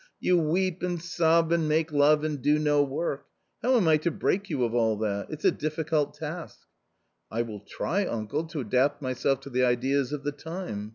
you weep and sob and make love and do no work .... how am I to break you of all that ?.... If s a difficult task." " I will try, uncle, to adapt myself to the ideas of the time.